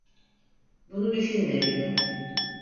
Bunu düşünme bile.